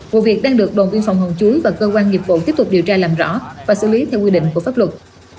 vụ việc đang được đồn biên phòng hòn chuối và cơ quan nghiệp vụ tiếp tục điều tra làm rõ và xử lý theo quy định của pháp luật